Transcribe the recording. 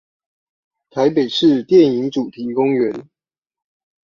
臺北市電影主題公園